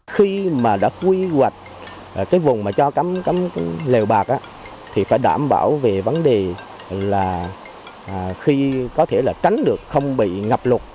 khi mà đã quy hoạch cái vùng mà cho cấm liều bạc thì phải đảm bảo về vấn đề là khi có thể là tránh được không bị ngập lụt